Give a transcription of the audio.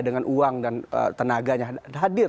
dengan uang dan tenaganya hadir